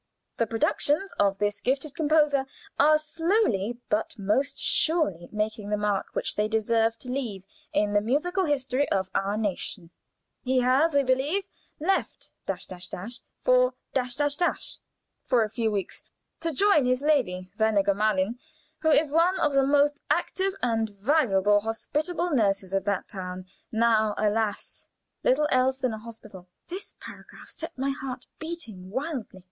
The productions of this gifted composer are slowly but most surely making the mark which they deserve to leave in the musical history of our nation; he has, we believe, left for for a few weeks to join his lady (seine Gemahlin), who is one of the most active and valuable hospitable nurses of that town, now, alas! little else than a hospital." This paragraph set my heart beating wildly.